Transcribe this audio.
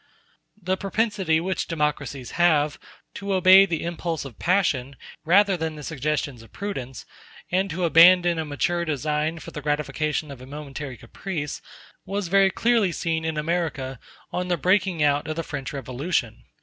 The propensity which democracies have to obey the impulse of passion rather than the suggestions of prudence, and to abandon a mature design for the gratification of a momentary caprice, was very clearly seen in America on the breaking out of the French Revolution.